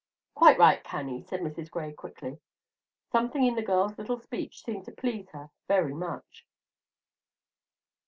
"Quite right, Cannie," said Mrs. Gray, quickly. Something in the girl's little speech seemed to please her very much.